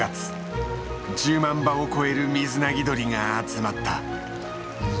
１０万羽を超えるミズナギドリが集まった。